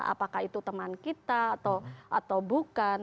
apakah itu teman kita atau bukan